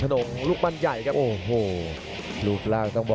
พยายามจะตีจิ๊กเข้าที่ประเภทหน้าขาครับ